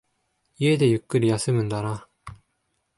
家でゆっくり休むんだな。